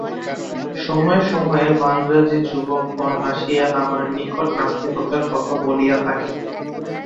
সময়ে সময়ে মান্দ্রাজী যুবকগণ আসিয়া আমার নিকট নাস্তিকতার কথা বলিয়া থাকে।